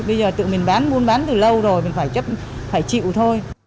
bây giờ tự mình buôn bán từ lâu rồi mình phải chịu thôi